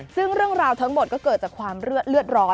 ซึ่งเรื่องราวทั้งหมดก็เกิดจากความเลือดร้อน